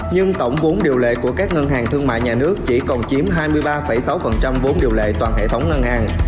nhưng tổng vốn điều lệ của các ngân hàng thương mại nhà nước chỉ còn chiếm hai mươi ba sáu vốn điều lệ toàn hệ thống ngân hàng